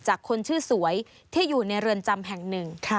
คนชื่อสวยที่อยู่ในเรือนจำแห่งหนึ่ง